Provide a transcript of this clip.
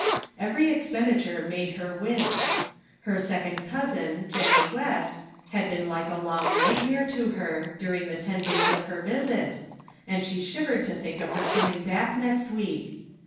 Every expenditure made her wince! Her second cousin Jennie West, had been like a long nightmare to her, during the ten days of her visit, and she shivered to think of her coming back next week.